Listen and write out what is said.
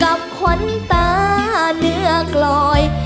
กับขวัญตาเนื้อกลอย